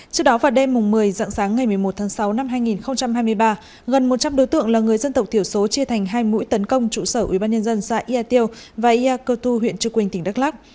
trước đó vào đêm một mươi dặn sáng ngày một mươi một tháng sáu năm hai nghìn hai mươi ba gần một trăm linh đối tượng là người dân tộc thiểu số chia thành hai mũi tấn công trụ sở ubnd xã yatio và yacotu huyện chư quỳnh tỉnh đắk lắk